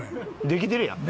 できてるやん。